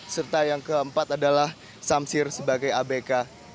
serta yang keempat adalah samsir sebagai abk